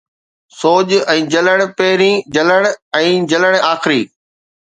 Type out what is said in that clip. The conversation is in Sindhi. سوڄ ۽ جلڻ پهرين، جلڻ ۽ جلڻ آخري